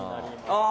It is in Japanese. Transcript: ああ